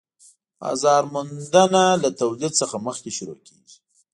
بازار موندنه له تولید څخه مخکې شروع کيږي